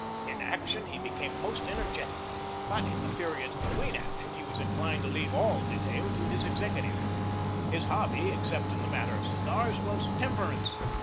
In action he became most energetic; but in the periods between action he was inclined to leave all detail to his executive. His hobby, except in the matter of cigars, was temperance.